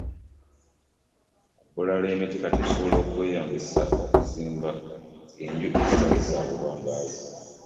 Mu bbula ly’emiti kati osobola okukeeyambisa mu kuzimba enju ezitali za buwangaazi.